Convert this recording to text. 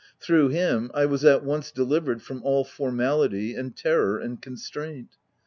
— Through him, I was at once delivered from all formality, and terror, and constraint.